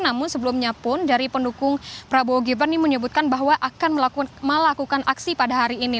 namun sebelumnya pun dari pendukung prabowo gibran ini menyebutkan bahwa akan melakukan aksi pada hari ini